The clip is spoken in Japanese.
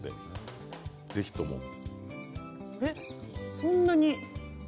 そんなに。